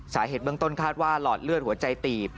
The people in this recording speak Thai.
สาเหตุเบื้องต้นคาดว่าหลอดเลือดหัวใจตีบ